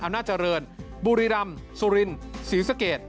อำนาจริย์บุรีรำสุรินศรีสเกต